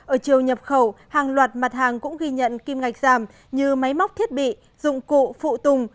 ở chiều nhập khẩu hàng loạt mặt hàng cũng ghi nhận kim ngạch giảm như máy móc thiết bị dụng cụ phụ tùng